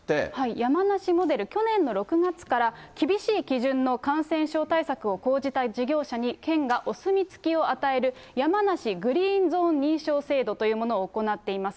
山梨モデル、去年の６月から、厳しい基準の感染症対策を講じた事業者に、謙がお墨付きを与える、やまなしグリーン・ゾーン認証制度というのを行っています。